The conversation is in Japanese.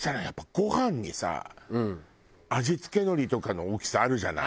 ご飯にさ味付け海苔とかの大きさあるじゃない。